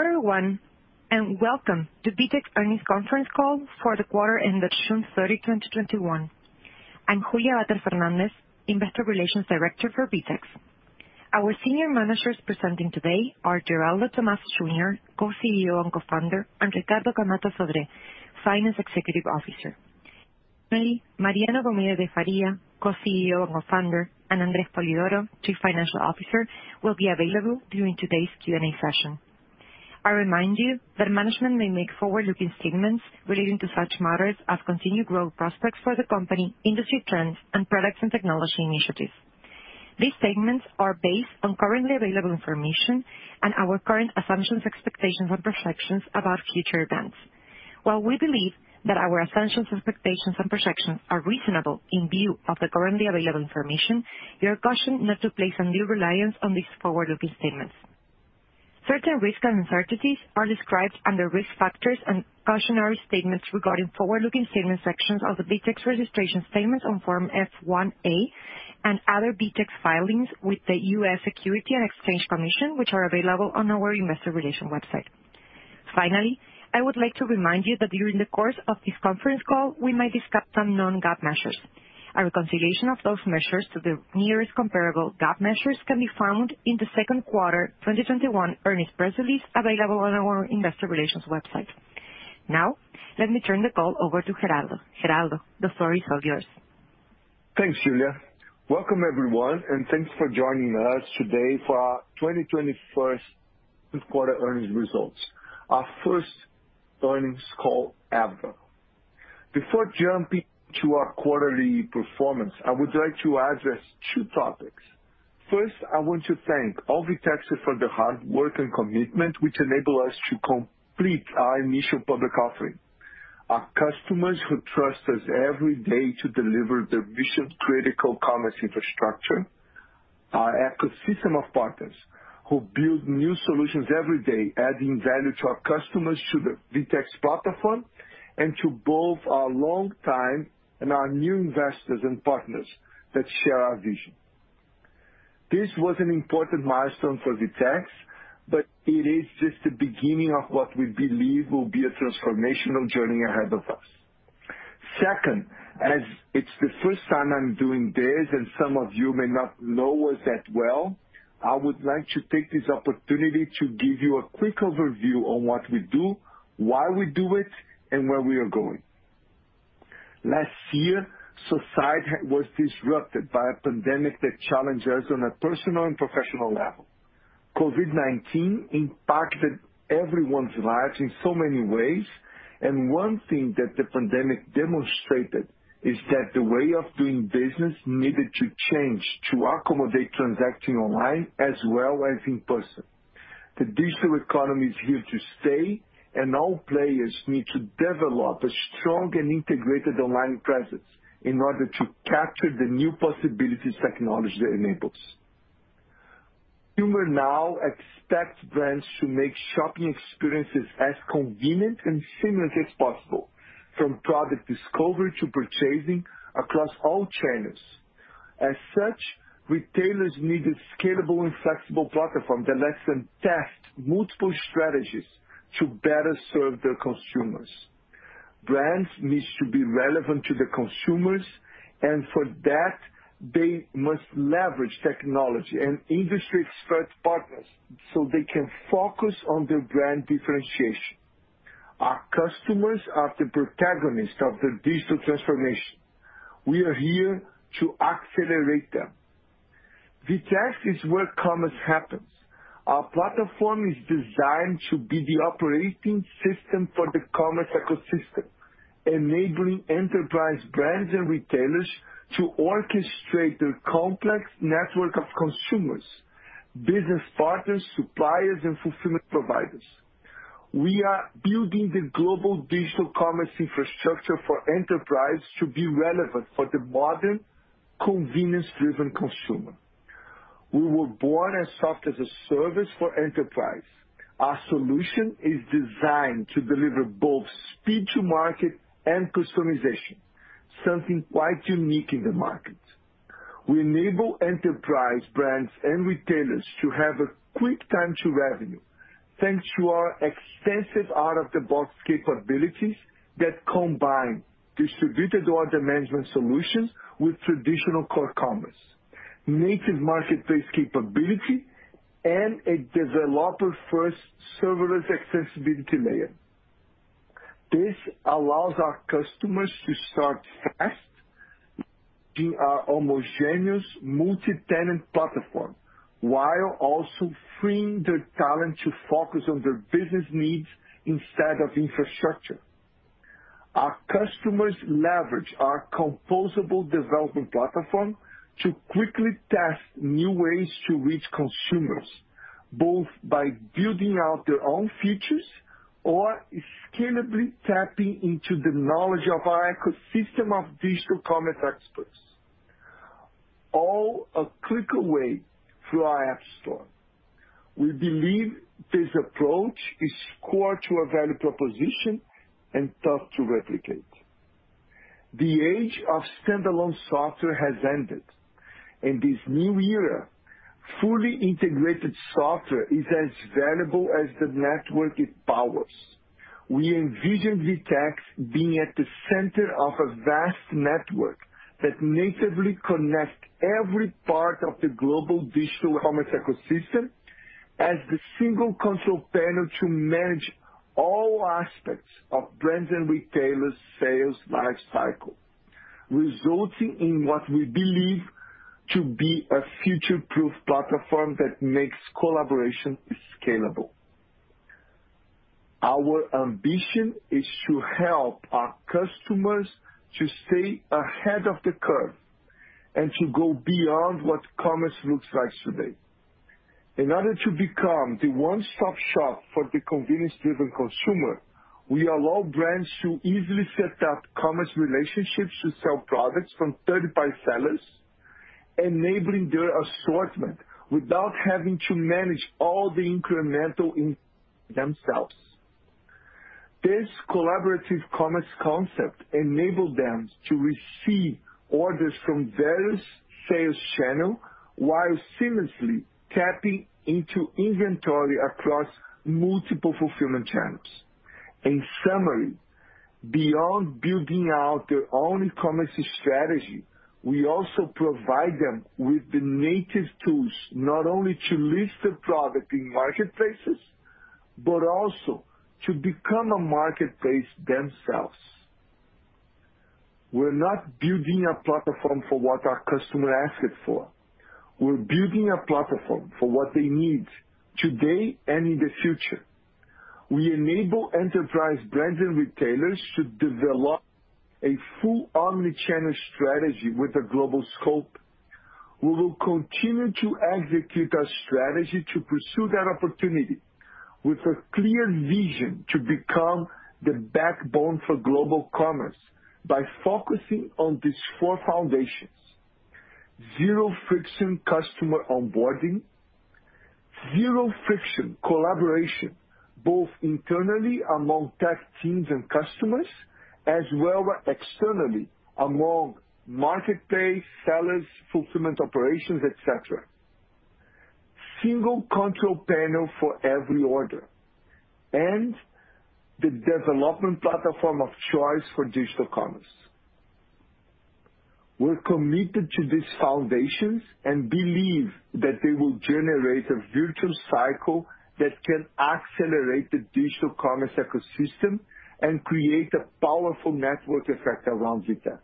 Quarter one, welcome to VTEX earnings conference call for the quarter ended June 30, 2021. I'm Julia Vater Fernández, Investor Relations Director for VTEX. Our senior managers presenting today are Geraldo Thomaz Jr., Co-CEO and Co-Founder, and Ricardo Camatta Sodré, Finance Executive Officer. Mariano Gomide de Faria, Co-CEO and Co-Founder, and André Spolidoro, Chief Financial Officer, will be available during today's Q&A session. I remind you that management may make forward-looking statements relating to such matters as continued growth prospects for the company, industry trends, and products and technology initiatives. These statements are based on currently available information and our current assumptions, expectations, and perceptions about future events. While we believe that our assumptions, expectations, and perceptions are reasonable in view of the currently available information, we are cautioned not to place undue reliance on these forward-looking statements. Certain risks and uncertainties are described under risk factors and cautionary statements regarding forward-looking statements sections of the VTEX registration statements on Form F-1/A and other VTEX filings with the U.S. Securities and Exchange Commission, which are available on our Investor Relations website. Finally, I would like to remind you that during the course of this conference call, we might discuss some non-GAAP measures. A reconciliation of those measures to the nearest comparable GAAP measures can be found in the second quarter 2021 earnings press release available on our Investor Relations website. Now, let me turn the call over to Geraldo. Geraldo, the floor is all yours. Thanks, Julia. Welcome everyone, and thanks for joining us today for our 2021 second quarter earnings results. Our first earnings call ever. Before jumping to our quarterly performance, I would like to address two topics. First, I want to thank all VTEXers for their hard work and commitment, which enable us to complete our initial public offering. Our customers who trust us every day to deliver their mission-critical commerce infrastructure, our ecosystem of partners who build new solutions every day, adding value to our customers through the VTEX platform, and to both our longtime and our new investors and partners that share our vision. This was an important milestone for VTEX, but it is just the beginning of what we believe will be a transformational journey ahead of us. As it's the first time I'm doing this and some of you may not know us that well, I would like to take this opportunity to give you a quick overview on what we do, why we do it, and where we are going. Last year, society was disrupted by a pandemic that challenged us on a personal and professional level. COVID-19 impacted everyone's lives in so many ways. One thing that the pandemic demonstrated is that the way of doing business needed to change to accommodate transacting online as well as in person. The digital economy is here to stay. All players need to develop a strong and integrated online presence in order to capture the new possibilities technology enables. Consumer now expects brands to make shopping experiences as convenient and seamless as possible, from product discovery to purchasing across all channels. As such, retailers need a scalable and flexible platform that lets them test multiple strategies to better serve their consumers. Brands needs to be relevant to the consumers, and for that, they must leverage technology and industry expert partners so they can focus on their brand differentiation. Our customers are the protagonists of their digital transformation. We are here to accelerate them. VTEX is where commerce happens. Our platform is designed to be the operating system for the commerce ecosystem, enabling enterprise brands and retailers to orchestrate their complex network of consumers, business partners, suppliers, and fulfillment providers. We are building the global digital commerce infrastructure for enterprise to be relevant for the modern, convenience-driven consumer. We were born as software as a service for enterprise. Our solution is designed to deliver both speed to market and customization, something quite unique in the market. We enable enterprise brands and retailers to have a quick time to revenue, thanks to our extensive out-of-the-box capabilities that combine distributed order management solutions with traditional core commerce, native marketplace capability, and a developer-first serverless accessibility layer. This allows our customers to start fast in our homogeneous multi-tenant platform, while also freeing their talent to focus on their business needs instead of infrastructure. Our customers leverage our composable development platform to quickly test new ways to reach consumers, both by building out their own features or scalably tapping into the knowledge of our ecosystem of digital commerce experts, all a click away through our App Store. We believe this approach is core to our value proposition and tough to replicate. The age of standalone software has ended. In this new era, fully integrated software is as valuable as the network it powers. We envision VTEX being at the center of a vast network that natively connects every part of the global digital commerce ecosystem as the single console panel to manage all aspects of brands' and retailers' sales lifecycle, resulting in what we believe to be a future-proof platform that makes collaboration scalable. Our ambition is to help our customers to stay ahead of the curve and to go beyond what commerce looks like today. In order to become the one-stop shop for the convenience-driven consumer, we allow brands to easily set up commerce relationships to sell products from third-party sellers, enabling their assortment without having to manage all the incremental inventory themselves. This collaborative commerce concept enables them to receive orders from various sales channels while seamlessly tapping into inventory across multiple fulfillment channels. In summary, beyond building out their own e-commerce strategy, we also provide them with the native tools, not only to list their product in marketplaces, but also to become a marketplace themselves. We're not building a platform for what our customer asked for. We're building a platform for what they need today and in the future. We enable enterprise brands and retailers to develop a full omnichannel strategy with a global scope. We will continue to execute our strategy to pursue that opportunity with a clear vision to become the backbone for global commerce by focusing on these four foundations: zero-friction customer onboarding, zero-friction collaboration, both internally among tech teams and customers, as well as externally among marketplace sellers, fulfillment operations, et cetera, single control panel for every order, and the development platform of choice for digital commerce. We're committed to these foundations and believe that they will generate a virtual cycle that can accelerate the digital commerce ecosystem and create a powerful network effect around VTEX.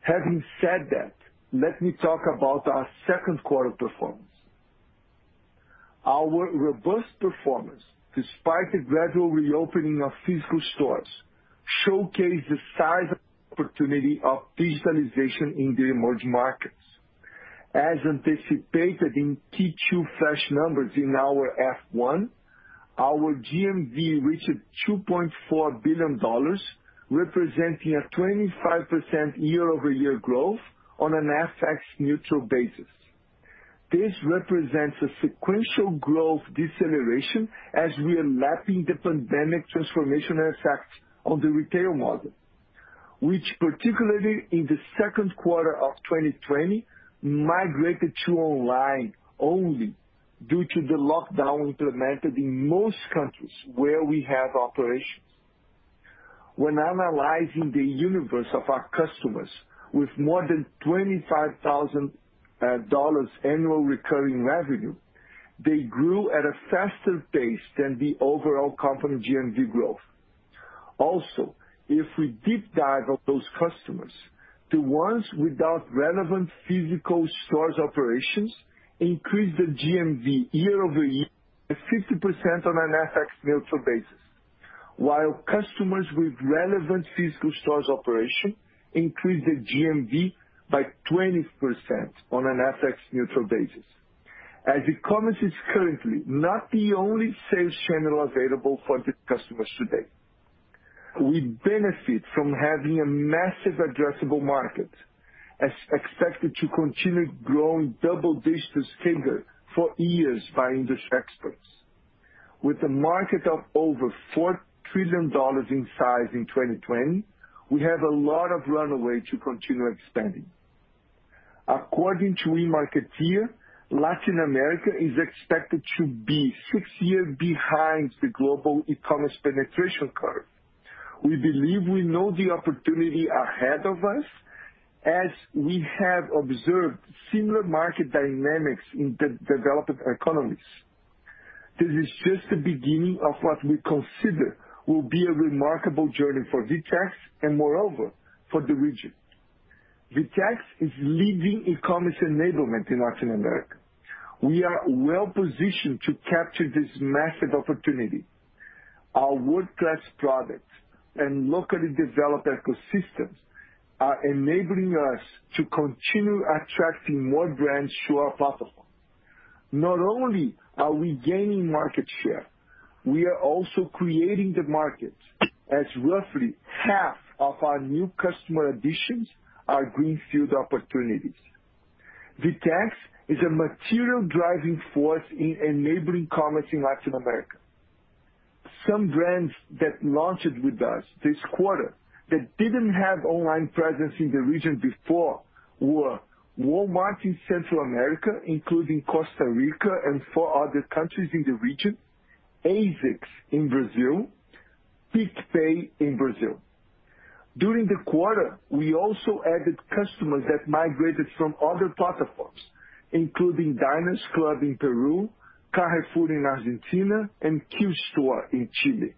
Having said that, let me talk about our second quarter performance. Our robust performance, despite the gradual reopening of physical stores, showcased the size of the opportunity of digitalization in the emerging markets. As anticipated in Q2 flash numbers in our F-1, our GMV reached $2.4 billion, representing a 25% year-over-year growth on an FX neutral basis. This represents a sequential growth deceleration as we are lapping the pandemic transformation effects on the retail model, which particularly in the second quarter of 2020, migrated to online only due to the lockdown implemented in most countries where we have operations. When analyzing the universe of our customers with more than $25,000 annual recurring revenue, they grew at a faster pace than the overall company GMV growth. Also, if we deep dive on those customers, the ones without relevant physical stores operations increased the GMV year-over-year by 50% on an FX neutral basis, while customers with relevant physical stores operation increased the GMV by 20% on an FX neutral basis. As e-commerce is currently not the only sales channel available for the customers today, we benefit from having a massive addressable market, as expected to continue growing double-digit figures for years by industry experts. With a market of over $4 trillion in size in 2020, we have a lot of runway to continue expanding. According to eMarketer, Latin America is expected to be six years behind the global e-commerce penetration curve. We believe we know the opportunity ahead of us as we have observed similar market dynamics in developed economies. This is just the beginning of what we consider will be a remarkable journey for VTEX and moreover, for the region. VTEX is leading e-commerce enablement in Latin America. We are well-positioned to capture this massive opportunity. Our world-class products and locally developed ecosystems are enabling us to continue attracting more brands to our platform. Not only are we gaining market share, we are also creating the market, as roughly half of our new customer additions are greenfield opportunities. VTEX is a material driving force in enabling commerce in Latin America. Some brands that launched with us this quarter that didn't have online presence in the region before were Walmart in Central America, including Costa Rica and four other countries in the region, ASICS in Brazil, PicPay in Brazil. During the quarter, we also added customers that migrated from other platforms, including Diners Club in Peru, Carrefour in Argentina, and Q-Store in Chile.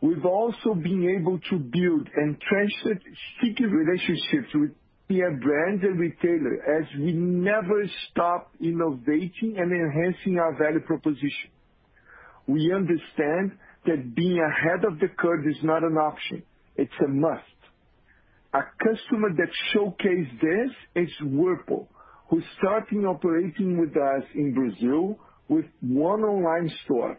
We've also been able to build and transcend sticky relationships with peer brands and retailers as we never stop innovating and enhancing our value proposition. We understand that being ahead of the curve is not an option, it's a must. A customer that showcased this is Whirlpool, who started operating with us in Brazil with one online store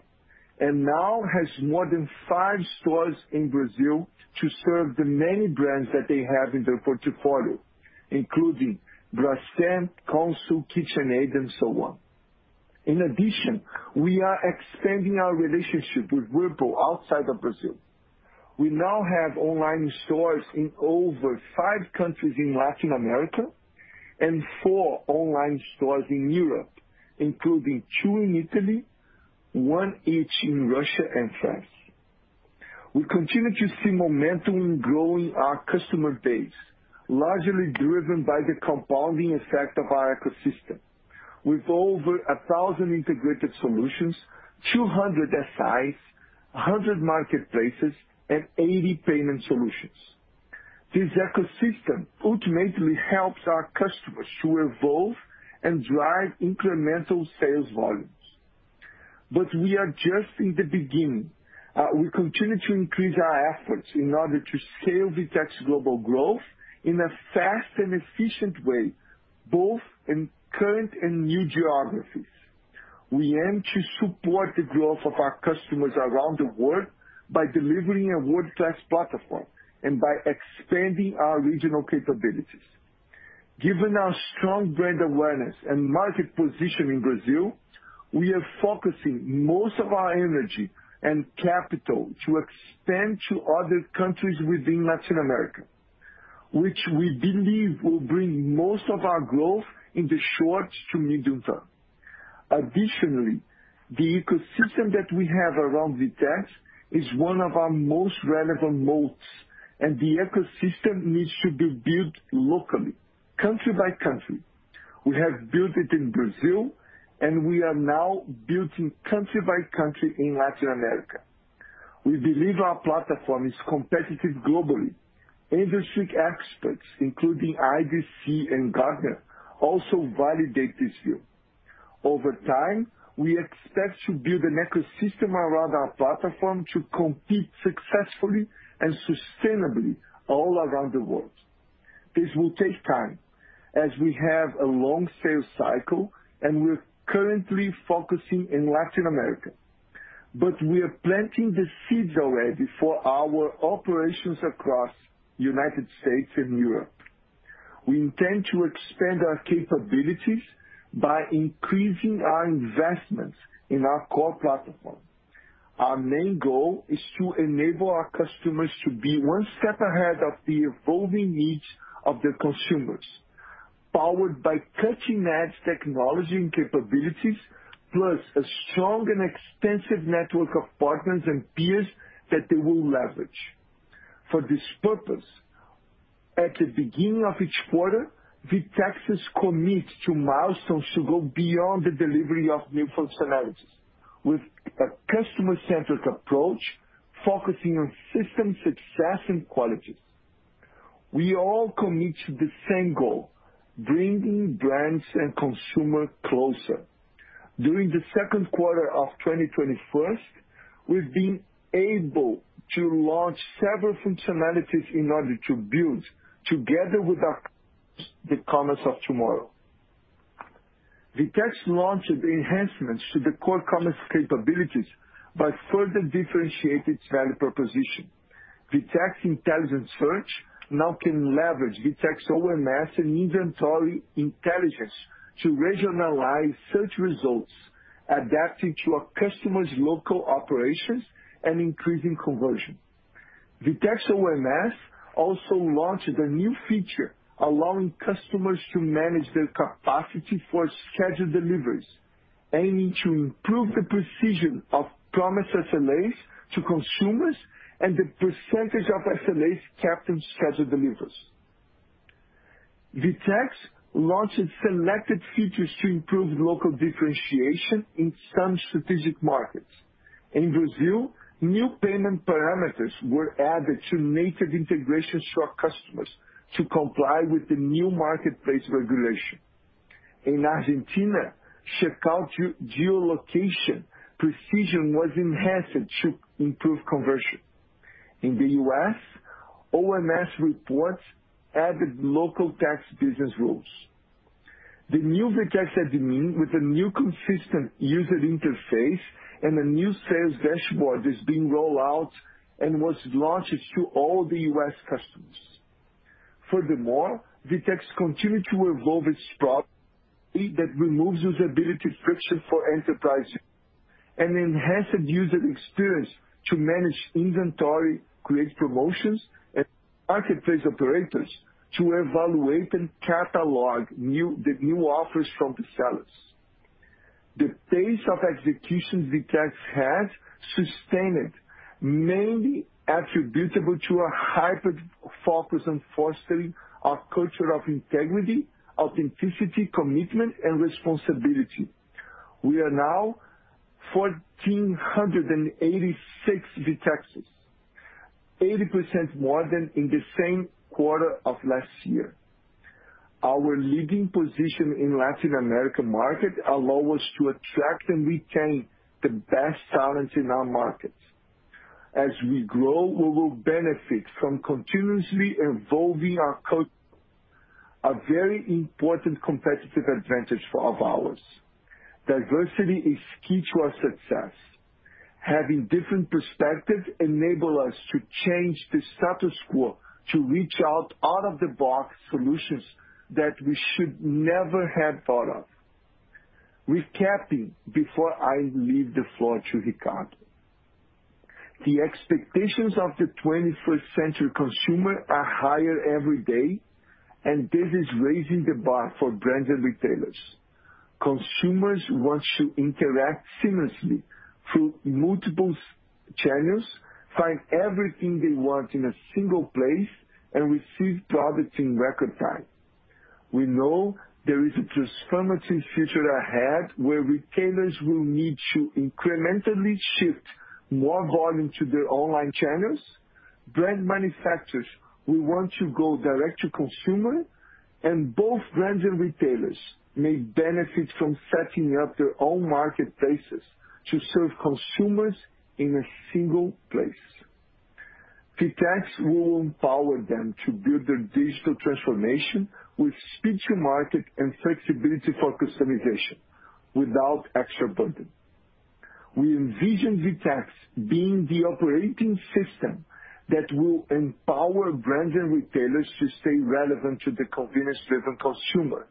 and now has more than five stores in Brazil to serve the many brands that they have in their portfolio, including Brastemp, Consul, KitchenAid, and so on. In addition, we are expanding our relationship with Whirlpool outside of Brazil. We now have online stores in over five countries in Latin America and four online stores in Europe, including two in Italy, one each in Russia and France. We continue to see momentum in growing our customer base, largely driven by the compounding effect of our ecosystem. With over 1,000 integrated solutions, 200 SIs, 100 marketplaces, and 80 payment solutions. This ecosystem ultimately helps our customers to evolve and drive incremental sales volumes. We are just in the beginning. We continue to increase our efforts in order to scale VTEX's global growth in a fast and efficient way, both in current and new geographies. We aim to support the growth of our customers around the world by delivering a world-class platform and by expanding our regional capabilities. Given our strong brand awareness and market position in Brazil, we are focusing most of our energy and capital to expand to other countries within Latin America, which we believe will bring most of our growth in the short to medium term. Additionally, the ecosystem that we have around VTEX is one of our most relevant moats, and the ecosystem needs to be built locally, country by country. We have built it in Brazil, and we are now building country by country in Latin America. We believe our platform is competitive globally. Industry experts, including IDC and Gartner, also validate this view. Over time, we expect to build an ecosystem around our platform to compete successfully and sustainably all around the world. This will take time as we have a long sales cycle and we're currently focusing in Latin America. We are planting the seeds already for our operations across U.S. and Europe. We intend to expand our capabilities by increasing our investments in our core platform. Our main goal is to enable our customers to be one step ahead of the evolving needs of their consumers, powered by cutting-edge technology and capabilities, plus a strong and extensive network of partners and peers that they will leverage. For this purpose, at the beginning of each quarter, VTEX commits to milestones to go beyond the delivery of new functionalities with a customer-centric approach focusing on system success and quality. We all commit to the same goal, bringing brands and consumers closer. During the second quarter of 2021, we've been able to launch several functionalities in order to build together with our customers the commerce of tomorrow. VTEX launched enhancements to the core commerce capabilities by further differentiating its value proposition. VTEX Intelligent Search now can leverage VTEX OMS and inventory intelligence to regionalize search results, adapting to a customer's local operations and increasing conversion. VTEX OMS also launched a new feature allowing customers to manage their capacity for scheduled deliveries, aiming to improve the precision of promised SLAs to consumers and the percentage of SLAs kept in scheduled deliveries. VTEX launched selected features to improve local differentiation in some strategic markets. In Brazil, new payment parameters were added to native integrations to our customers to comply with the new marketplace regulation. In Argentina, checkout geolocation precision was enhanced to improve conversion. In the U.S., OMS reports added local tax business rules. The new VTEX Admin with a new consistent user interface and a new sales dashboard is being rolled out and was launched to all the U.S. customers. Furthermore, VTEX continued to evolve its product that removes usability friction for enterprises and enhances user experience to manage inventory, create promotions, and marketplace operators to evaluate and catalog the new offers from the sellers. The pace of execution VTEX has sustained, mainly attributable to a hyper-focus on fostering our culture of integrity, authenticity, commitment, and responsibility. We are now 1,486 VTEXers, 80% more than in the same quarter of last year. Our leading position in Latin American market allow us to attract and retain the best talents in our markets. As we grow, we will benefit from continuously evolving our code, a very important competitive advantage for our vows. Diversity is key to our success. Having different perspectives enable us to change the status quo to reach out-of-the-box solutions that we should never have thought of. Recapping before I leave the floor to Ricardo. The expectations of the 21st century consumer are higher every day, this is raising the bar for brands and retailers. Consumers want to interact seamlessly through multiple channels, find everything they want in a single place, and receive products in record time. We know there is a transformative future ahead, where retailers will need to incrementally shift more volume to their online channels. Brand manufacturers will want to go direct to consumer, and both brands and retailers may benefit from setting up their own marketplaces to serve consumers in a single place. VTEX will empower them to build their digital transformation with speed to market and flexibility for customization without extra burden. We envision VTEX being the operating system that will empower brands and retailers to stay relevant to the convenience-driven consumer,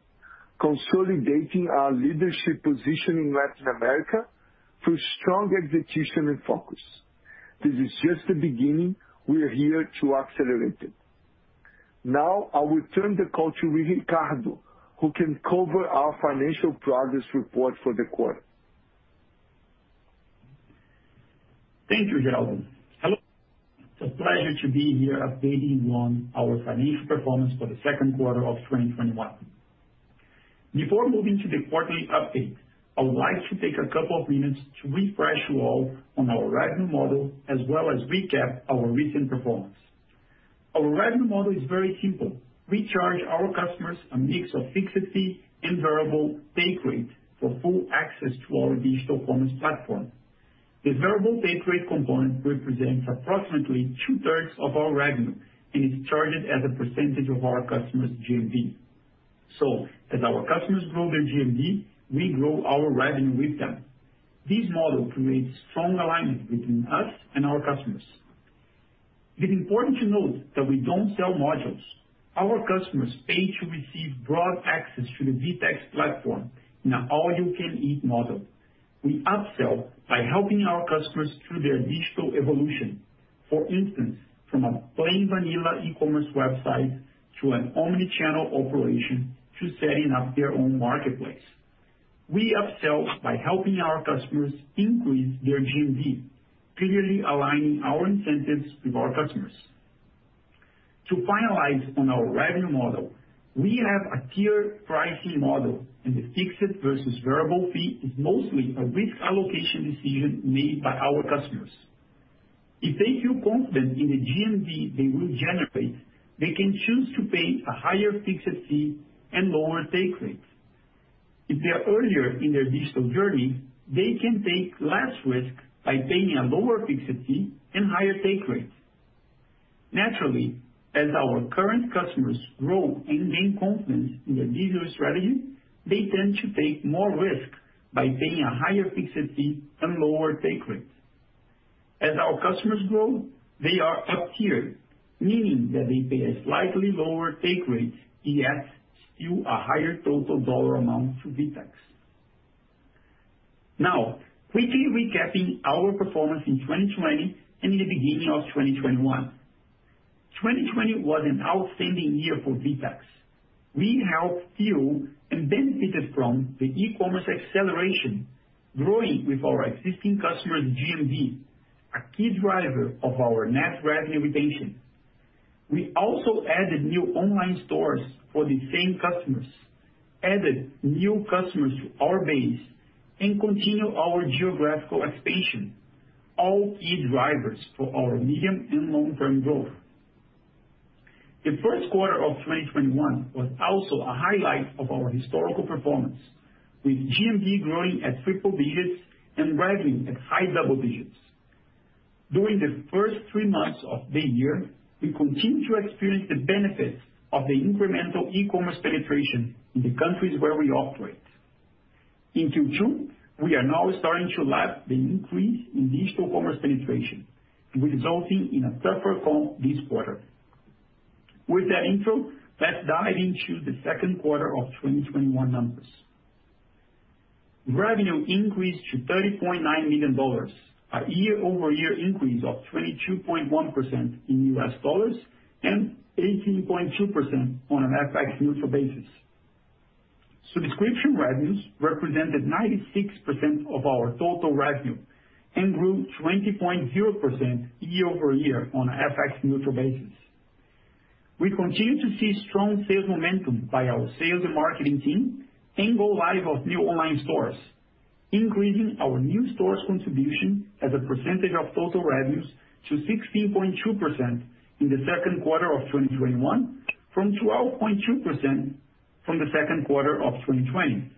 consolidating our leadership position in Latin America through strong execution and focus. This is just the beginning. We are here to accelerate it. Now, I will turn the call to Ricardo, who can cover our financial progress report for the quarter. Thank you, Geraldo. Hello. It is a pleasure to be here updating you on our financial performance for the second quarter of 2021. Before moving to the quarterly update, I would like to take a couple of minutes to refresh you all on our revenue model, as well as recap our recent performance. Our revenue model is very simple. We charge our customers a mix of fixed fee and variable pay rate for full access to our digital commerce platform. The variable pay rate component represents approximately 2/3 of our revenue and is charged as a percentage of our customers' GMV. As our customers grow their GMV, we grow our revenue with them. This model creates strong alignment between us and our customers. It is important to note that we don't sell modules. Our customers pay to receive broad access to the VTEX platform in an all-you-can-eat model. We upsell by helping our customers through their digital evolution. For instance, from a plain vanilla e-commerce website to an omnichannel operation to setting up their own marketplace. We upsell by helping our customers increase their GMV, clearly aligning our incentives with our customers. To finalize on our revenue model, we have a tiered pricing model, and the fixed versus variable fee is mostly a risk allocation decision made by our customers. If they feel confident in the GMV they will generate, they can choose to pay a higher fixed fee and lower pay rates. If they are earlier in their digital journey, they can take less risk by paying a lower fixed fee and higher pay rates. Naturally, as our current customers grow and gain confidence in their digital strategy, they tend to take more risk by paying a higher fixed fee and lower pay rates. As our customers grow, they are uptiered, meaning that they pay a slightly lower take rate, yet still a higher total dollar amount to VTEX. Quickly recapping our performance in 2020 and the beginning of 2021. 2020 was an outstanding year for VTEX. We helped fuel and benefited from the e-commerce acceleration, growing with our existing customers' GMV, a key driver of our net revenue retention. We also added new online stores for the same customers, added new customers to our base, and continued our geographical expansion, all key drivers for our medium and long-term growth. The first quarter of 2021 was also a highlight of our historical performance, with GMV growing at triple digits and revenue at high double digits. During the first three months of the year, we continued to experience the benefits of the incremental e-commerce penetration in the countries where we operate. In Q2, we are now starting to lap the increase in digital commerce penetration, resulting in a tougher comp this quarter. With that intro, let's dive into the second quarter of 2021 numbers. Revenue increased to $30.9 million, a year-over-year increase of 22.1% in U.S. dollars and 18.2% on an FX neutral basis. Subscription revenues represented 96% of our total revenue and grew 20.0% year-over-year on an FX neutral basis. We continue to see strong sales momentum by our sales and marketing team and go live of new online stores, increasing our new stores contribution as a percentage of total revenues to 16.2% in the second quarter of 2021 from 12.2% from the second quarter of 2020.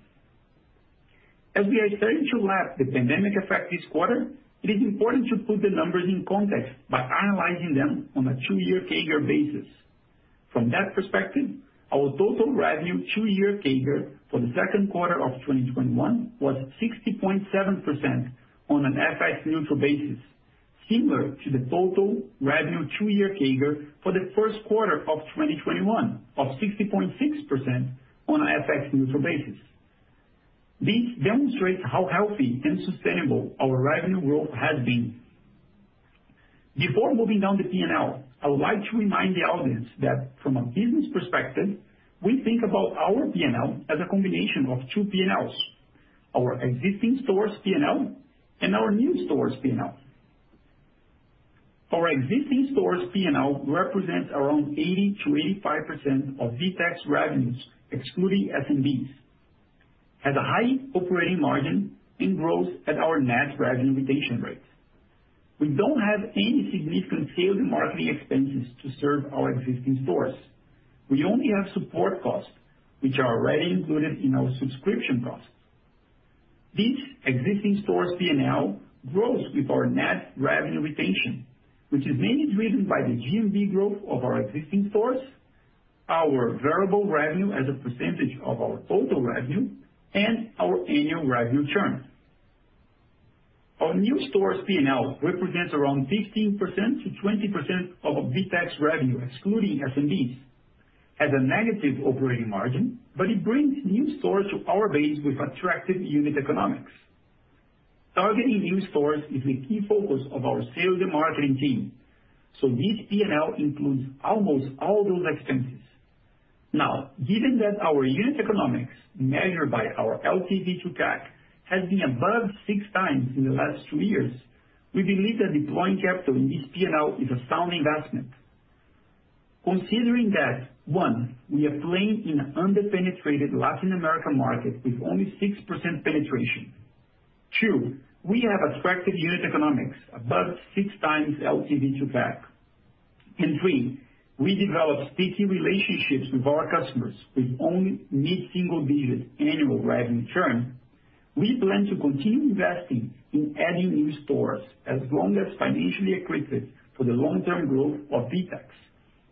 As we are starting to lap the pandemic effect this quarter, it is important to put the numbers in context by analyzing them on a two-year CAGR basis. From that perspective, our total revenue two-year CAGR for the second quarter of 2021 was 60.7% on an FX-neutral basis, similar to the total revenue two-year CAGR for the first quarter of 2021 of 60.6% on an FX-neutral basis. This demonstrates how healthy and sustainable our revenue growth has been. Before moving down the P&L, I would like to remind the audience that from a business perspective, we think about our P&L as a combination of two P&Ls, our existing stores P&L and our new stores P&L. Our existing stores P&L represents around 80%-85% of VTEX revenues, excluding SMBs, has a high operating margin, and grows at our net revenue retention rates. We don't have any significant sales and marketing expenses to serve our existing stores. We only have support costs, which are already included in our subscription costs. This existing stores P&L grows with our net revenue retention, which is mainly driven by the GMV growth of our existing stores, our variable revenue as a percentage of our total revenue, and our annual revenue churn. Our new stores P&L represents around 15%-20% of VTEX revenue, excluding SMBs, has a negative operating margin, but it brings new stores to our base with attractive unit economics. Targeting new stores is the key focus of our sales and marketing team. This P&L includes almost all those expenses. Given that our unit economics, measured by our LTV to CAC, has been above 6x in the last two years, we believe that deploying capital in this P&L is a sound investment. Considering that, one, we are playing in an under-penetrated Latin American market with only 6% penetration. Two, we have attractive unit economics above 6x LTV to CAC. Three, we develop sticky relationships with our customers with only mid-single-digit annual revenue churn. We plan to continue investing in adding new stores as long as financially accretive for the long-term growth of VTEX,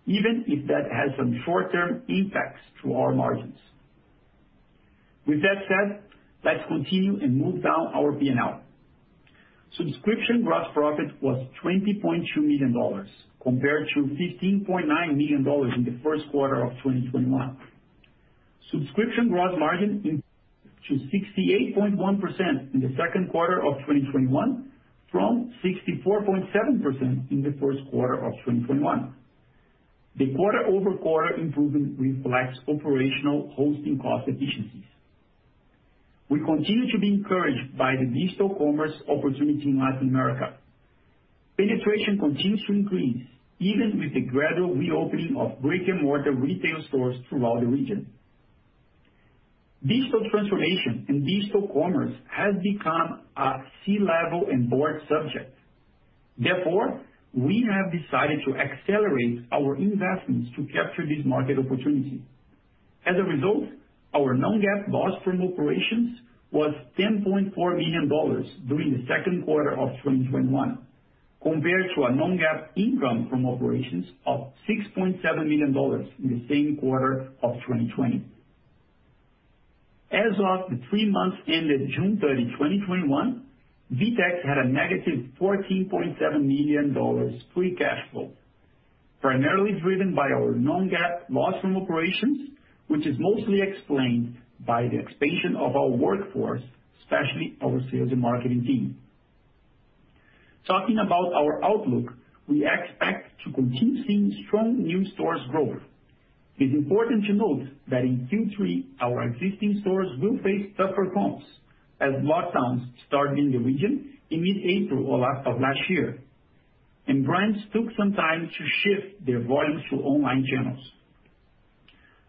even if that has some short-term impacts to our margins. With that said, let's continue and move down our P&L. Subscription gross profit was $20.2 million compared to $15.9 million in the first quarter of 2021. Subscription gross margin increased to 68.1% in the second quarter of 2021 from 64.7% in the first quarter of 2021. The quarter-over-quarter improvement reflects operational hosting cost efficiencies. We continue to be encouraged by the digital commerce opportunity in Latin America. Penetration continues to increase even with the gradual reopening of brick-and-mortar retail stores throughout the region. Digital transformation and digital commerce has become a C-level and board subject. We have decided to accelerate our investments to capture this market opportunity. Our non-GAAP loss from operations was $10.4 million during the second quarter of 2021, compared to a non-GAAP income from operations of $6.7 million in the same quarter of 2020. As of the three months ended June 30, 2021, VTEX had a -$14.7 million free cash flow, primarily driven by our non-GAAP loss from operations, which is mostly explained by the expansion of our workforce, especially our sales and marketing team. Talking about our outlook, we expect to continue seeing strong new stores growth. It's important to note that in Q3, our existing stores will face tougher comps as lockdowns started in the region in mid-April of last year, and brands took some time to shift their volumes to e-commerce channels.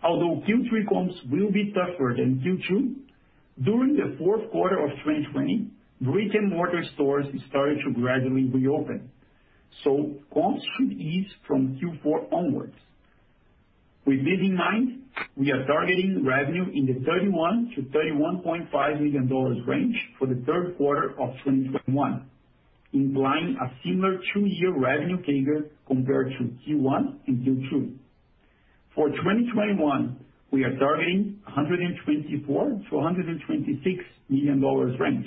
Although Q3 comps will be tougher than Q2, during the fourth quarter of 2020, brick-and-mortar stores started to gradually reopen, so comps should ease from Q4 onwards. With this in mind, we are targeting revenue in the $31 million-$31.5 million range for the third quarter of 2021, implying a similar two-year revenue CAGR compared to Q1 and Q2. For 2021, we are targeting $124 million-$126 million range.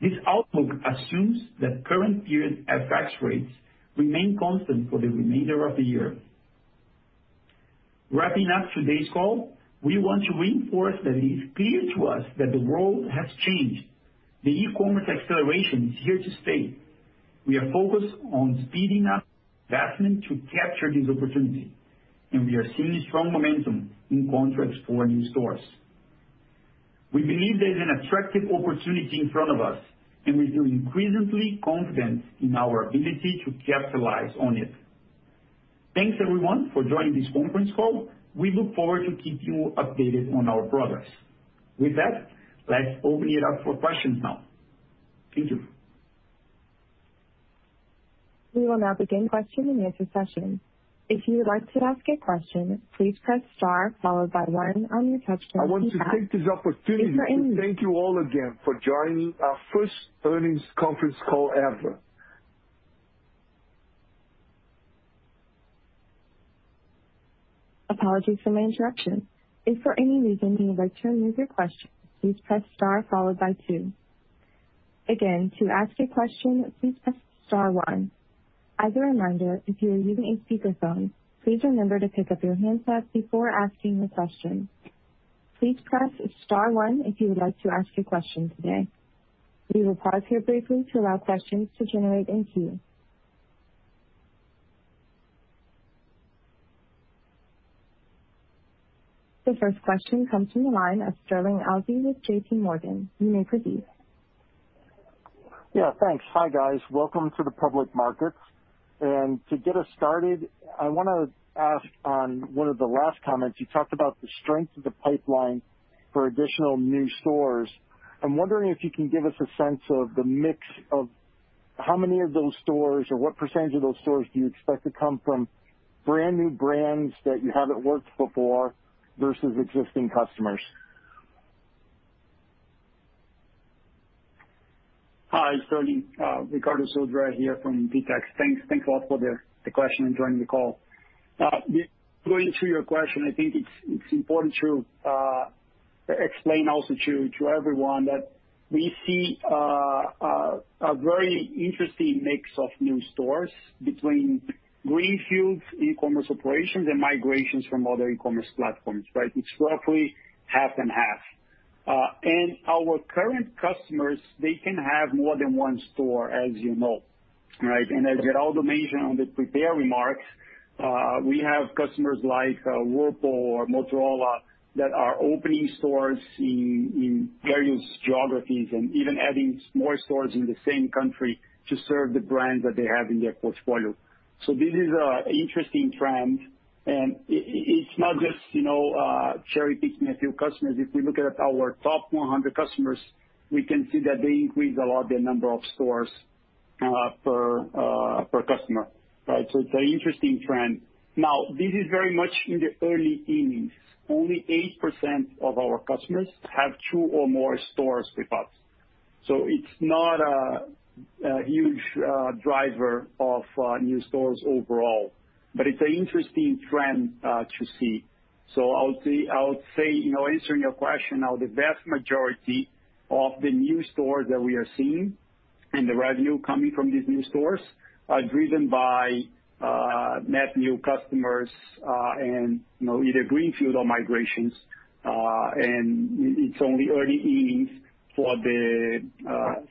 This outlook assumes that current period FX rates remain constant for the remainder of the year. Wrapping up today's call, we want to reinforce that it is clear to us that the world has changed. The e-commerce acceleration is here to stay. We are focused on speeding up investment to capture this opportunity, and we are seeing strong momentum in contracts for new stores. We believe there's an attractive opportunity in front of us, and we feel increasingly confident in our ability to capitalize on it. Thanks everyone for joining this conference call. We look forward to keep you updated on our progress. With that, let's open it up for questions now. Thank you. We will now begin question and answer session. If you would like to ask a question, please press star followed by one on your touch-tone phone. I want to take this opportunity to thank you all again for joining our first earnings conference call ever. Apologies for my interruption. If for any reason you would like to remove your question, please press star two. Again, to ask a question, please press star one. As a reminder, if you are using a speakerphone, please remember to pick up your handset before asking the question. Please press star one if you would like to ask a question today. We will pause here briefly to allow questions to generate in queue. The first question comes from the line of Sterling Auty with JPMorgan. You may proceed. Yeah, thanks. Hi, guys. Welcome to the public markets. To get us started, I want to ask on one of the last comments, you talked about the strength of the pipeline for additional new stores. I'm wondering if you can give us a sense of the mix of how many of those stores or what percent of those stores do you expect to come from brand-new brands that you haven't worked before versus existing customers. Hi, Sterling. Ricardo Sodré here from VTEX. Thanks a lot for the question and joining the call. Going to your question, I think it's important to explain also to everyone that we see a very interesting mix of new stores between greenfield e-commerce operations and migrations from other e-commerce platforms, right? It's roughly half and half. Our current customers, they can have more than one store, as you know, right? As Geraldo mentioned on the prepared remarks, we have customers like Whirlpool or Motorola that are opening stores in various geographies and even adding more stores in the same country to serve the brands that they have in their portfolio. This is an interesting trend, and it's not just cherry-picking a few customers. If we look at our top 100 customers, we can see that they increased a lot the number of stores per customer, right? It's an interesting trend. Now, this is very much in the early innings. Only 8% of our customers have two or more stores with us. It's not a huge driver of new stores overall, but it's an interesting trend to see. I would say, answering your question now, the vast majority of the new stores that we are seeing and the revenue coming from these new stores are driven by net new customers and either greenfield or migrations. It's only early innings for the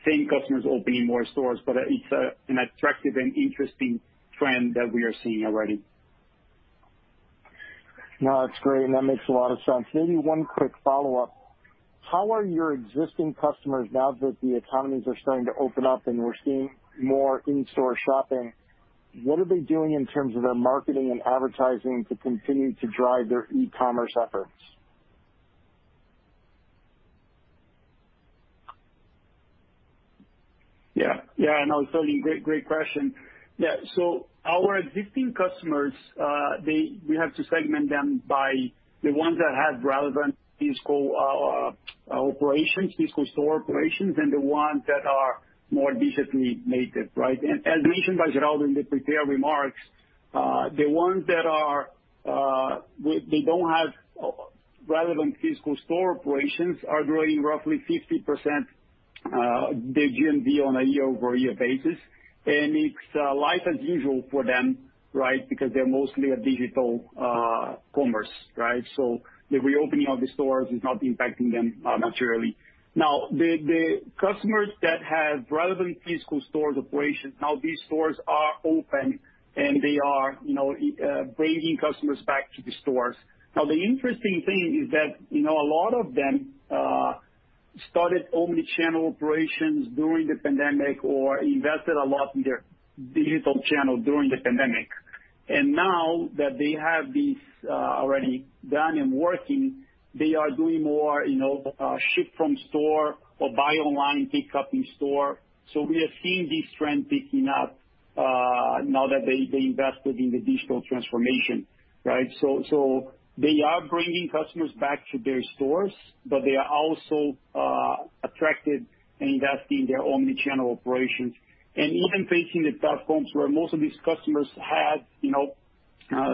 same customers opening more stores, but it's an attractive and interesting trend that we are seeing already. No, that's great. That makes a lot of sense. Maybe one quick follow-up. How are your existing customers now that the economies are starting to open up and we're seeing more in-store shopping, what are they doing in terms of their marketing and advertising to continue to drive their e-commerce efforts? Yeah, no, totally. Great question. Yeah. Our existing customers, we have to segment them by the ones that have relevant physical operations, physical store operations, and the ones that are more digitally native, right? As mentioned by Geraldo in the prepared remarks, the ones that don't have relevant physical store operations are growing roughly 50% their GMV on a year-over-year basis. It's life as usual for them, right? Because they're mostly a digital commerce, right? The reopening of the stores is not impacting them materially. Now, the customers that have relevant physical stores operations, now these stores are open, and they are bringing customers back to the stores. Now, the interesting thing is that a lot of them started omnichannel operations during the pandemic or invested a lot in their digital channel during the pandemic. Now that they have this already done and working, they are doing more ship from store or buy online pick up in store. We are seeing this trend picking up now that they invested in the digital transformation, right? They are bringing customers back to their stores, but they are also attracted and investing in their omnichannel operations. Even facing the platforms where most of these customers had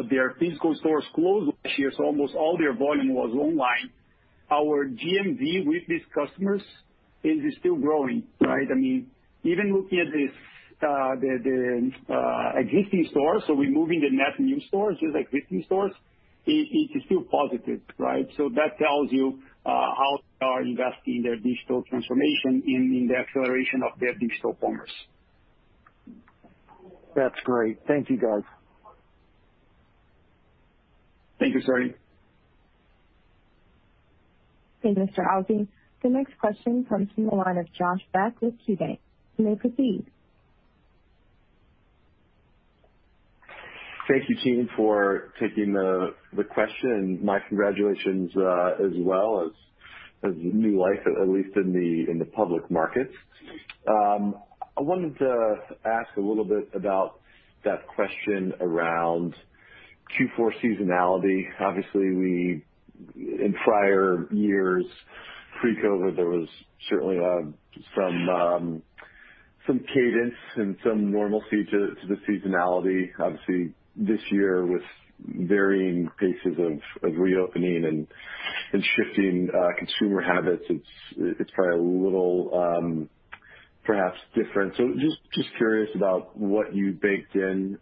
their physical stores closed last year, so almost all their volume was online. Our GMV with these customers is still growing, right? Even looking at the existing stores, so removing the net new stores, just existing stores, it is still positive, right? That tells you how they are investing their digital transformation in the acceleration of their digital commerce. That's great. Thank you, guys. Thank you, Sterling. Thank you, Mr. Auty. The next question comes from the line of Josh Beck with KeyBanc. You may proceed. Thank you, team, for taking the question, and my congratulations as well as new life, at least in the public market. I wanted to ask a little bit about that question around Q4 seasonality. Obviously, in prior years, pre-COVID, there was certainly some cadence and some normalcy to the seasonality. Obviously, this year, with varying paces of reopening and shifting consumer habits, it's probably a little perhaps different. Just curious about what you baked in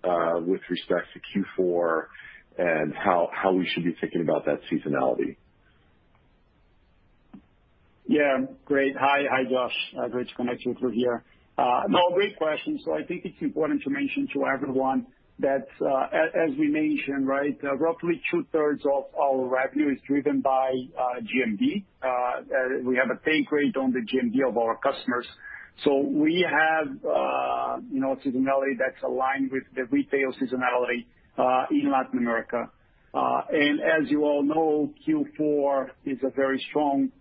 with respect to Q4 and how we should be thinking about that seasonality. Great. Hi, Josh. Great to connect with you here. Great question. I think it's important to mention to everyone that, as we mentioned, roughly 2/3 of our revenue is driven by GMV. We have a take rate on the GMV of our customers. We have seasonality that's aligned with the retail seasonality in Latin America. As you all know, Q4 is a very strong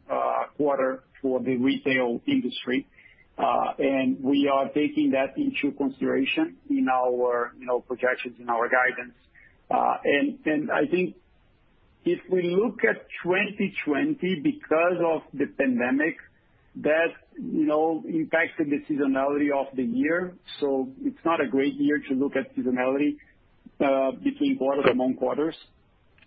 quarter for the retail industry. We are taking that into consideration in our projections, in our guidance. I think if we look at 2020, because of the pandemic, that impacted the seasonality of the year. It's not a great year to look at seasonality between quarters among quarters.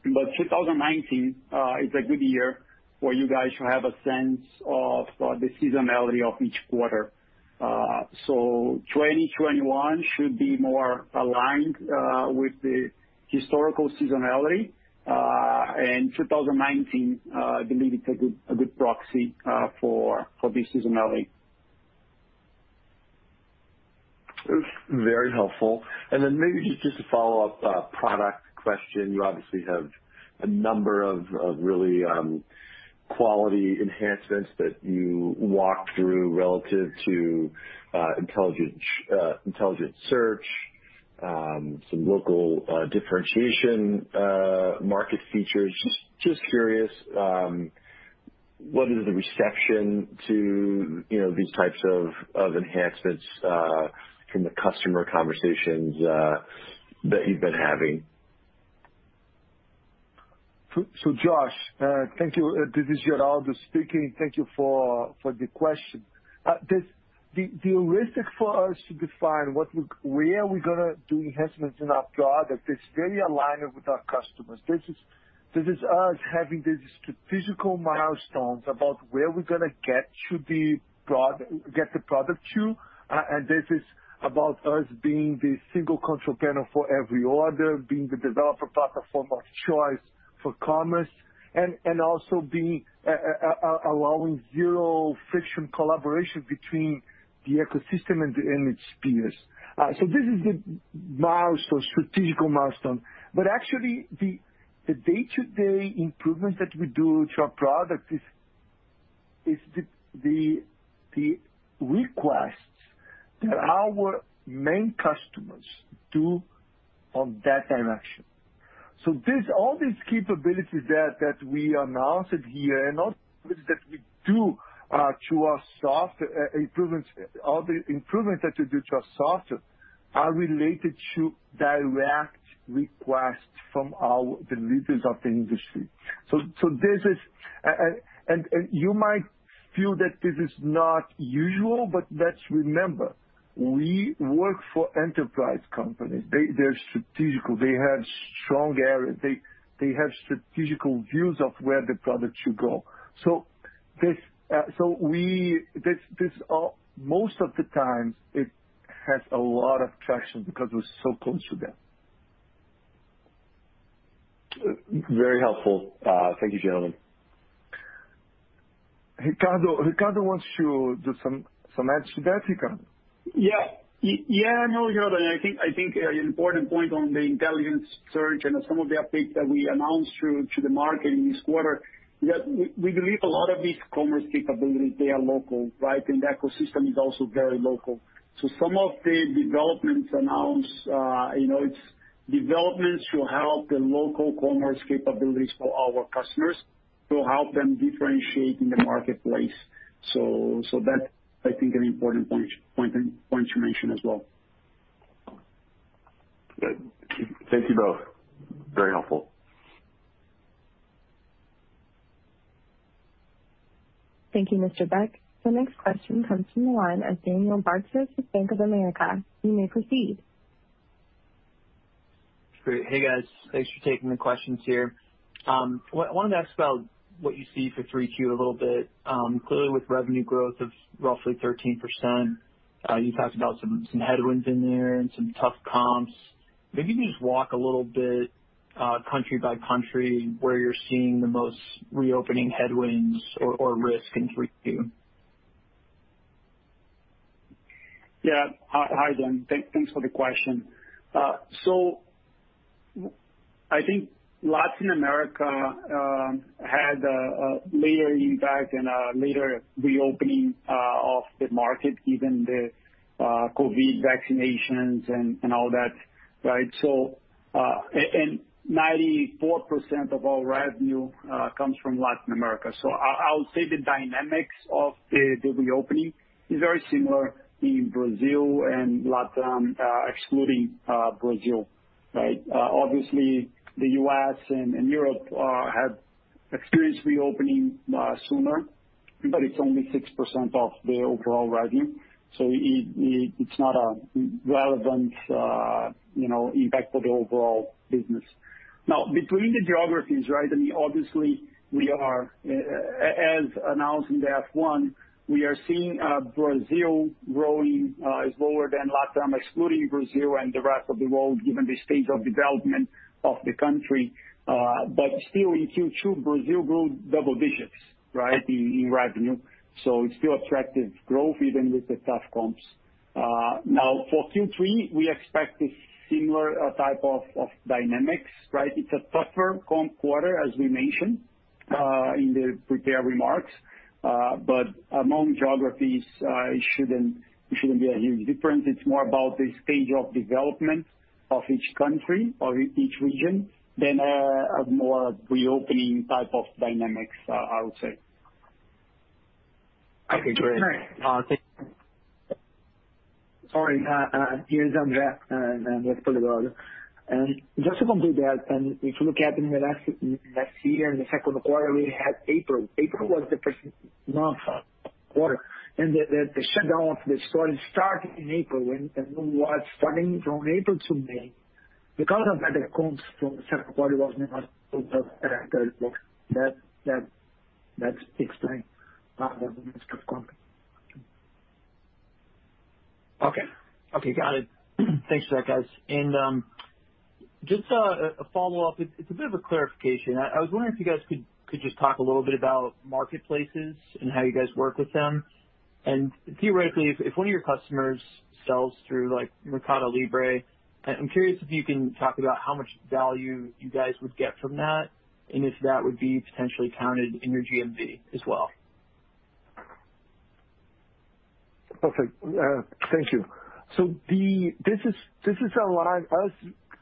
2019 is a good year for you guys to have a sense of the seasonality of each quarter. 2021 should be more aligned with the historical seasonality. 2019, I believe, is a good proxy for this seasonality. Very helpful. Then maybe just a follow-up product question. You obviously have a number of really quality enhancements that you walked through relative to Intelligent Search, some local differentiation market features. Just curious, what is the reception to these types of enhancements from the customer conversations that you've been having? Josh, thank you. This is Geraldo speaking. Thank you for the question. The risk for us to define where we're going to do enhancements in our product is very aligned with our customers. This is us having these strategic milestones about where we're going to get the product to, and this is about us being the single control panel for every order, being the developer platform of choice for commerce, and also allowing zero friction collaboration between the ecosystem and its peers. This is the strategic milestone. Actually, the day-to-day improvements that we do to our product is the requests that our main customers do on that direction. All these capabilities that we announced here, and all the improvements that we do to our software, are related to direct requests from the leaders of the industry. You might feel that this is not usual, but let's remember, we work for enterprise companies. They're strategic. They have strong areas. They have strategic views of where the product should go. Most of the time, it has a lot of traction because we're so close to them. Very helpful. Thank you, gentlemen. Ricardo wants to do some add to that. Ricardo? Yeah, no, Geraldo, I think an important point on the Intelligent Search and some of the updates that we announced to the market in this quarter, we believe a lot of these commerce capabilities, they are local, right? The ecosystem is also very local. Some of the developments announced, it's developments to help the local commerce capabilities for our customers to help them differentiate in the marketplace. That's, I think, an important point to mention as well. Great. Thank you both. Very helpful. Thank you, Mr. Beck. The next question comes from the line of Daniel Bartus of Bank of America. You may proceed. Great. Hey, guys. Thanks for taking the questions here. I wanted to ask about what you see for 3Q a little bit. Clearly, with revenue growth of roughly 13%, you talked about some headwinds in there and some tough comps. Maybe you can just walk a little bit, country by country, where you're seeing the most reopening headwinds or risk in 3Q. Yeah. Hi, Dan. Thanks for the question. I think Latin America had a later impact and a later reopening of the market, given the COVID vaccinations and all that. Right? 94% of our revenue comes from Latin America, I would say the dynamics of the reopening is very similar in Brazil and Latin, excluding Brazil. Right? Obviously, the U.S. and Europe have experienced reopening sooner, but it's only 6% of the overall revenue, it's not a relevant impact for the overall business. Now, between the geographies, right, and obviously, as announced in the F-1, we are seeing Brazil growing slower than Latin, excluding Brazil and the rest of the world, given the state of development of the country. Still in Q2, Brazil grew double digits, right, in revenue. It's still attractive growth, even with the tough comps. For Q3, we expect a similar type of dynamics, right? It's a tougher comp quarter, as we mentioned, in the prepared remarks. Among geographies, it shouldn't be a huge difference. It's more about the stage of development of each country or each region than a more reopening type of dynamics, I would say. Okay, great. Sorry. Here is André Spolidoro. Just to complete that, if you look at in the last year, in the second quarter, we had April. April was the first month of quarter, and the shutdown of the store started in April, and was starting from April to May. Because of that, the comps from the second quarter was not that explain the mixed of company. Okay. Got it. Thanks for that, guys. Just a follow-up. It's a bit of a clarification. I was wondering if you guys could just talk a little bit about marketplaces and how you guys work with them. Theoretically, if one of your customers sells through Mercado Libre, I'm curious if you can talk about how much value you guys would get from that and if that would be potentially counted in your GMV as well. Perfect. Thank you. This is aligned. Us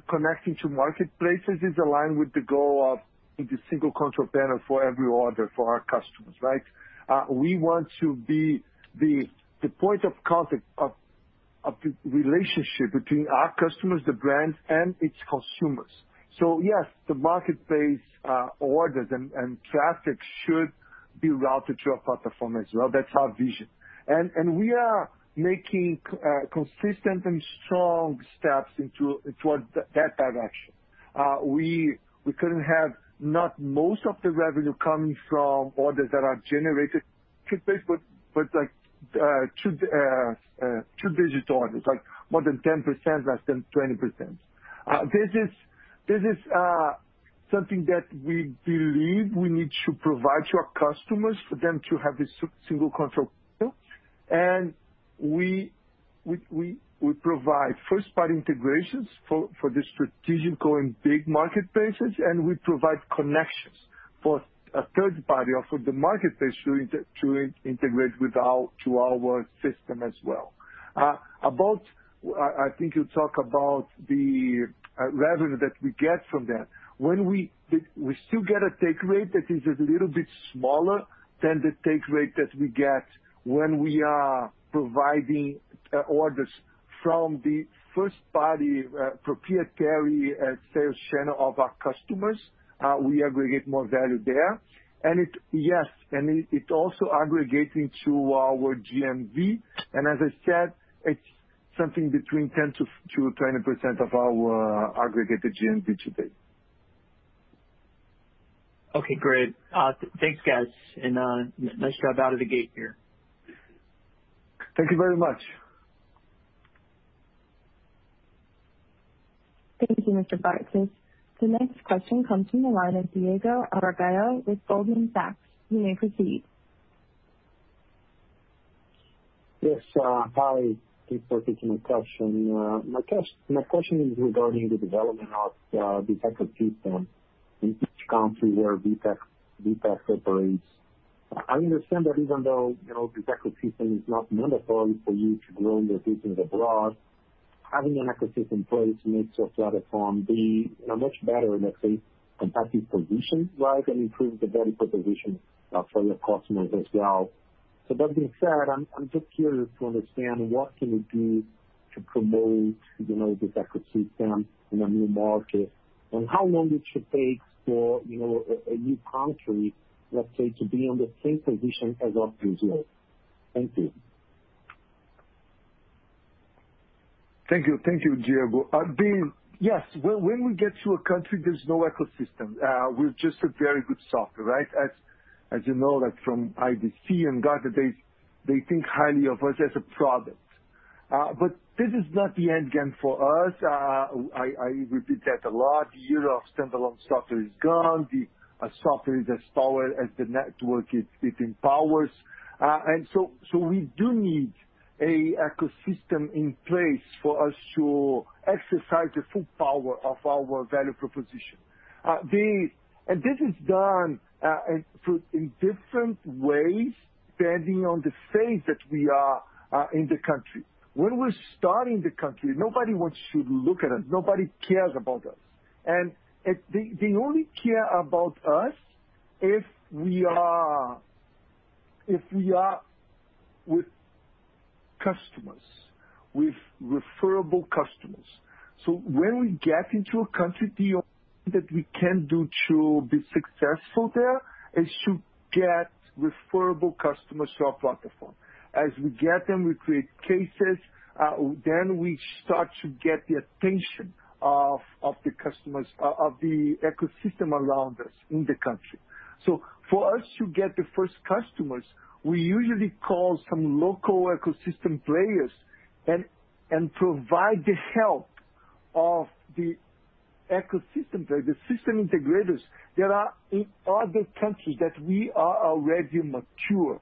connecting to marketplaces is aligned with the goal of the single control panel for every order for our customers, right? We want to be the point of contact of the relationship between our customers, the brands, and its consumers. Yes, the marketplace orders and traffic should be routed to our platform as well. That's our vision. We are making consistent and strong steps towards that direction. We couldn't have not most of the revenue coming from orders that are generated through Facebook, but two-digit orders, like more than 10%, less than 20%. This is something that we believe we need to provide to our customers for them to have this single control panel. We provide first-party integrations for the strategical and big marketplaces, and we provide connections for a third party or for the marketplace to integrate to our system as well. I think you talk about the revenue that we get from that. We still get a take rate that is a little bit smaller than the take rate that we get when we are providing orders from the first-party proprietary sales channel of our customers. We aggregate more value there. It, yes, and it also aggregating to our GMV. As I said, it's something between 10% to 20% of our aggregated GMV today. Okay, great. Thanks, guys. Nice job out of the gate here. Thank you very much. Thank you, Mr. Bartus. The next question comes from the line of Diego Aragão with Goldman Sachs. You may proceed. Yes, hi. Thanks for taking my question. My question is regarding the development of the VTEX ecosystem in each country where VTEX operates. I understand that even though the VTEX ecosystem is not mandatory for you to grow your business abroad, having an ecosystem in place makes your platform be in a much better, let's say, competitive position, right, and improves the value proposition for your customers as well. That being said, I'm just curious to understand what can you do to promote the VTEX ecosystem in a new market, and how long it should take for a new country, let's say, to be on the same position as of Brazil. Thank you. Thank you, Diego. When we get to a country, there's no ecosystem. We're just a very good software, right? As you know, from IDC and Gartner, they think highly of us as a product. This is not the end game for us. I repeat that a lot. The era of standalone software is gone. The software is as powerful as the network it empowers. We do need an ecosystem in place for us to exercise the full power of our value proposition. This is done in different ways, depending on the phase that we are in the country. When we're starting the country, nobody should look at us, nobody cares about us. They only care about us if we are with customers, with referable customers. When we get into a country, the only thing that we can do to be successful there is to get referable customers to our platform. As we get them, we create cases, then we start to get the attention of the ecosystem around us in the country. For us to get the first customers, we usually call some local ecosystem players and provide the help of the ecosystem players, the system integrators that are in other countries that we are already mature.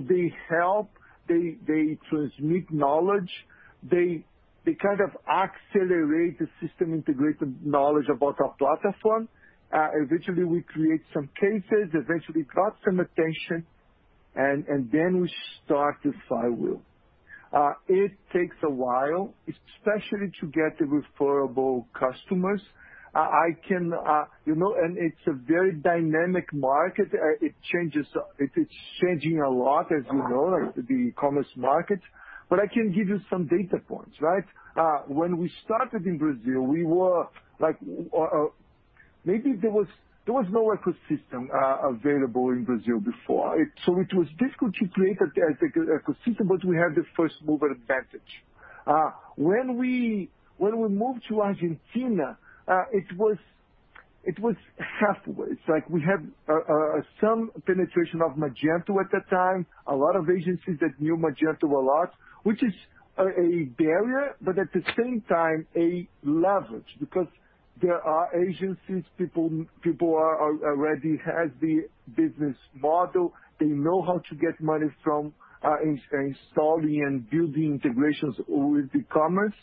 They help, they transmit knowledge, they kind of accelerate the system integration knowledge about our platform. Eventually, we create some cases, eventually got some attention, and then we start the flywheel. It takes a while, especially to get the referable customers. It's a very dynamic market. It's changing a lot, as you know, the commerce market. I can give you some data points, right? When we started in Brazil, there was no ecosystem available in Brazil before. It was difficult to create an ecosystem, but we had the first-mover advantage. When we moved to Argentina, it was halfway. It's like we had some penetration of Magento at that time. A lot of agencies that knew Magento a lot, which is a barrier, but at the same time, a leverage because there are agencies, people already have the business model. They know how to get money from installing and building integrations with e-commerce.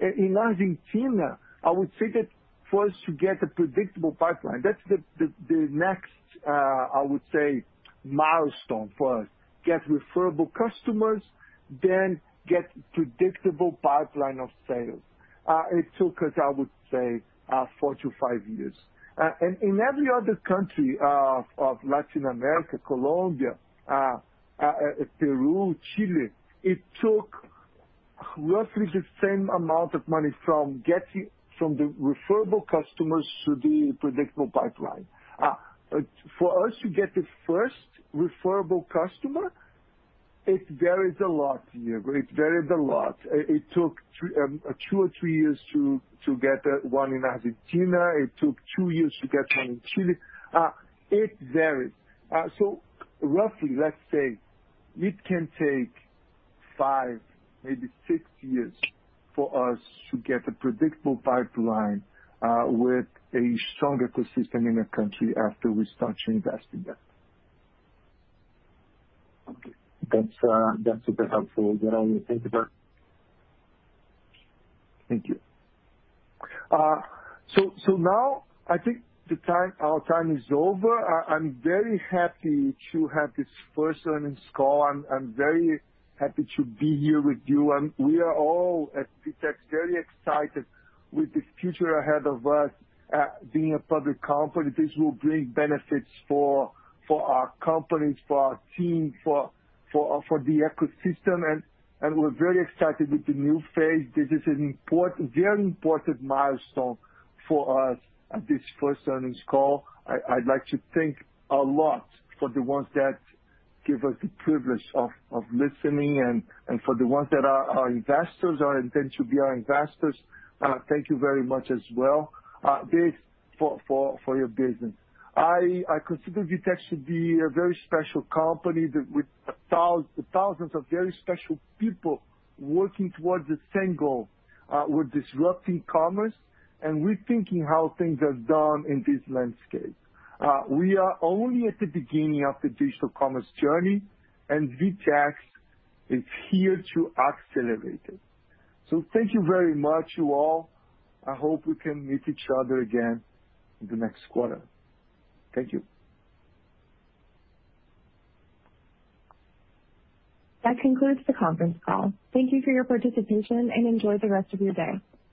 In Argentina, I would say that for us to get a predictable pipeline, that's the next, I would say, milestone for us. Get referable customers, get predictable pipeline of sales. It took us, I would say, four to five years. In every other country of Latin America, Colombia, Peru, Chile, it took roughly the same amount of money from the referable customers to the predictable pipeline. For us to get the first referable customer, it varies a lot. It took two or three years to get one in Argentina. It took two years to get one in Chile. It varies. Roughly, let's say it can take five, maybe six years for us to get a predictable pipeline with a strong ecosystem in a country after we start investing there. Okay. That's super helpful, Geraldo. Thank you, sir. Thank you. Now, I think our time is over. I'm very happy to have this first earnings call. I'm very happy to be here with you. We are all at VTEX very excited with this future ahead of us being a public company. This will bring benefits for our company, for our team, for the ecosystem. We're very excited with the new phase. This is a very important milestone for us at this first earnings call. I'd like to thank a lot for the ones that give us the privilege of listening and for the ones that are our investors or intend to be our investors, thank you very much as well for your business. I consider VTEX to be a very special company with thousands of very special people working towards the same goal. We're disrupting commerce and rethinking how things are done in this landscape. We are only at the beginning of the digital commerce journey. VTEX is here to accelerate it. Thank you very much, you all. I hope we can meet each other again in the next quarter. Thank you. That concludes the conference call. Thank you for your participation and enjoy the rest of your day.